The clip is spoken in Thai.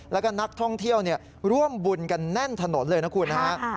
แล้วก็นักท่องเที่ยวร่วมบุญกันแน่นถนนเลยนะคุณฮะ